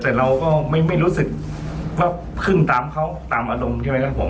แต่เราก็ไม่รู้สึกว่าขึ้นตามเขาตามอารมณ์ใช่ไหมครับผม